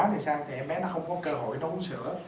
thì sang thì em bé nó không có cơ hội nó uống sữa